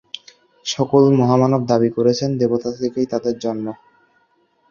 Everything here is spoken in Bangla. সকল মহামানব দাবী করেছেন, দেবতা থেকেই তাঁদের জন্ম।